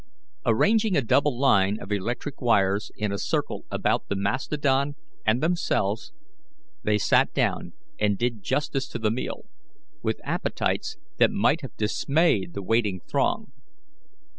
Arranging a double line of electric wires in a circle about the mastodon and themselves, they sat down and did justice to the meal, with appetites that might have dismayed the waiting throng.